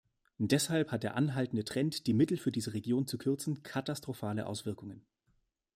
Deshalb hat der anhaltende Trend, die Mittel für diese Region zu kürzen, katastrophale Auswirkungen.